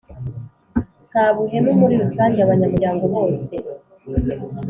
nta buhemu Muri rusange abanyamuryango bose